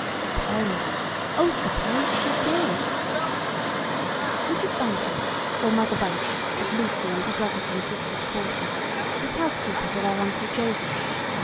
Suppose, oh, suppose she did! Mrs. Bunker, or Mother Bunch, as Lucy and her brothers and sisters called her, was housekeeper to their Uncle Joseph.